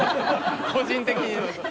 個人的にね。